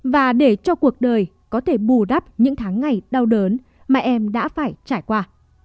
và để cho cuộc đời có thể bù đắp những tháng ngày đau đớn mà em đã phải trải qua